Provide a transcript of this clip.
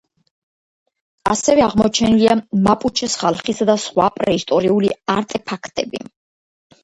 ასევე აღმოჩენილია მაპუჩეს ხალხისა და სხვა პრეისტორიული არტეფაქტები.